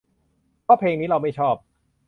เพราะเพลงนี้เราไม่ชอบ